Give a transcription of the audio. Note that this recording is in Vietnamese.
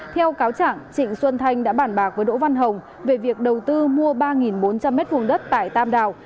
theo cáo trạng trịnh xuân thanh đã bản bạc với đỗ văn hồng về việc đầu tư mua ba bốn trăm linh m hai đất tại tam đào